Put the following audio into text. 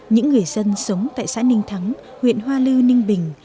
những người dân sống tại xã ninh thắng huyện hoa lư ninh bình